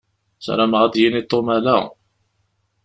Sarameɣ ad d-yini Tom ala.